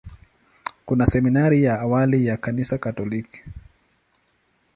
Kuna seminari ya awali ya Kanisa Katoliki.